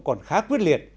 còn khá quyết liệt